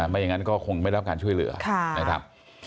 ไม่อย่างนั้นก็คงไม่รับการช่วยเหลือนะครับ